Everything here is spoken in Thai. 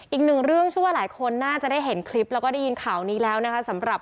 อีกหนึ่งเรื่องเชื่อว่าหลายคนน่าจะได้เห็นคลิปแล้วก็ได้ยินข่าวนี้แล้วนะคะสำหรับ